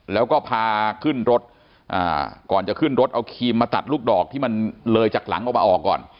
แล้วก็พาขึ้นรถก่อนจะขึ้นรถเอาครีมมาตัดลูกดอกที่มันเลยจากหลังออกมาออกก่อน